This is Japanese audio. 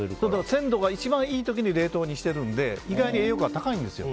鮮度が一番いい時に冷凍にしてるので意外に栄養価が高いんですよ。